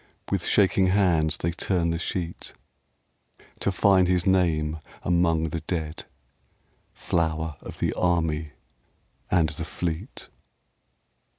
With shaking hands they turn the sheet To find his name among the dead, Flower of the Army and the Fleet.